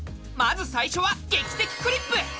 まず最初は「劇的クリップ」！